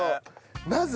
まず？